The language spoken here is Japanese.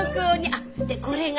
あっこれが。